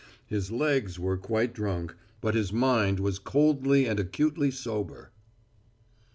His legs were quite drunk, but his mind was coldly and acutely sober.